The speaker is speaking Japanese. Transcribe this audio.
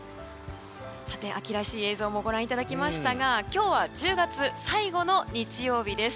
秋らしい映像もご覧いただきましたが今日は１０月最後の日曜日です。